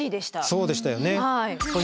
そうでしたよね。